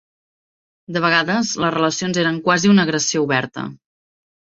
De vegades, les relacions eren quasi una agressió oberta.